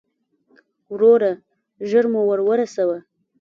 وروره، ژر مو ور ورسوه.